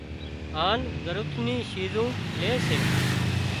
هانَ ضرورت نِي شِيزون لي سي